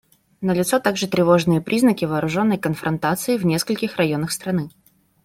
Налицо также тревожные признаки вооруженной конфронтации в нескольких районах страны.